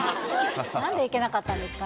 なんでいけなかったんですか